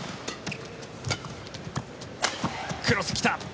クロス、来た。